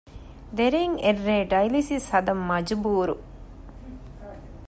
ދެރޭން އެއްރޭ ޑައިލިސިސް ހަދަން މަޖުބޫރު